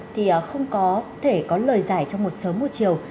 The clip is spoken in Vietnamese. thì không có thể có lời giải trong một sớm một chiều